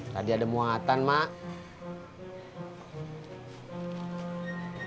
tadi ada muatan mak